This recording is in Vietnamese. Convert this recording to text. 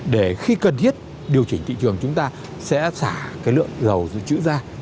để khi cần thiết điều chỉnh thị trường chúng ta sẽ xả cái lượng dầu dự trữ ra